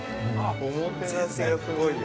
おもてなしがすごいよ。